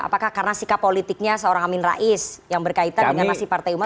apakah karena sikap politiknya seorang amin rais yang berkaitan dengan nasib partai umat